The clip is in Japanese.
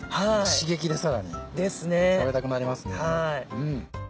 刺激でさらに食べたくなりますね。